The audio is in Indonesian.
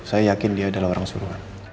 saya yakin dia adalah orang suruhan